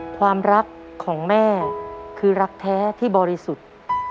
ความรักของแม่คือรักแท้ที่บริสุทธิ์